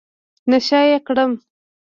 نشه يي کړم.